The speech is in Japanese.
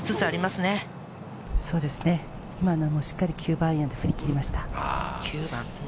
しっかり９番アイアンで振り切りました。